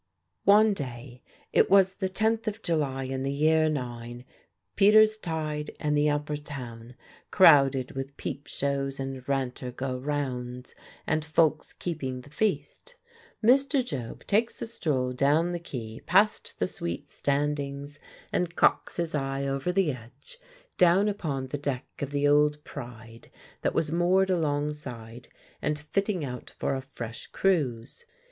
One day it was the tenth of July in the year 'nine; Peter's Tide, and the Upper Town crowded with peep shows and ranter go rounds, and folks keeping the feast Mr. Job takes a stroll down the quay past the sweet standings, and cocks his eye over the edge, down upon the deck of the old Pride that was moored alongside and fitting out for a fresh cruise.